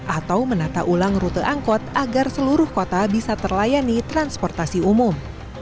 atau menata ulang rute angkot agar seluruh kota bisa terlayani transportasi umum